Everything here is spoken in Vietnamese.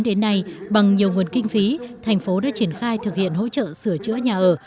từ năm hai nghìn một mươi bốn đến nay bằng nhiều nguồn kinh phí thành phố đã triển khai thực hiện hỗ trợ sửa chữa nhà ở